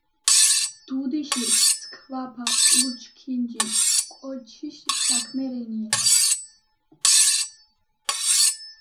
დუდიში ცქვაფა ურჩქინჯი კოჩიშ საქმე რენია